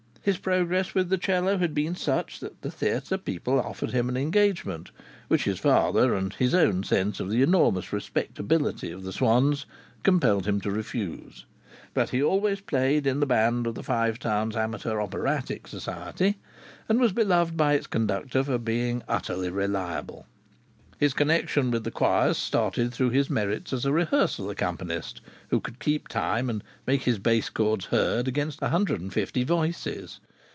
His progress with the 'cello had been such that the theatre people offered him an engagement, which his father and his own sense of the enormous respectability of the Swanns compelled him to refuse. But he always played in the band of the Five Towns Amateur Operatic Society, and was beloved by its conductor as being utterly reliable. His connection with choirs started through his merits as a rehearsal accompanist who could keep time and make his bass chords heard against a hundred and fifty voices.